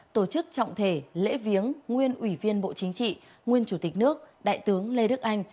tổ chức trọng thể lễ viếng nguyên ủy viên bộ chính trị nguyên chủ tịch nước đại tướng lê đức anh